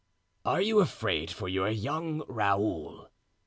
"Are you afraid for your young Raoul?"